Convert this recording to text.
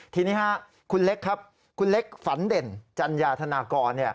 ทีนี้คุณเล็กครับคุณเล็กฝันเด่นจัญญาธนากร